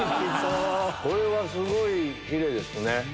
これはすごいヒレですね。